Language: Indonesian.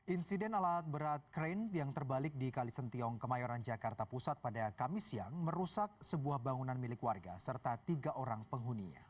insiden alat berat krain yang terbalik di kalisentiong kemayoran jakarta pusat pada kamis siang merusak sebuah bangunan milik warga serta tiga orang penghuninya